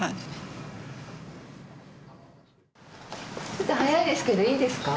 ちょっと早いですけどいいですか？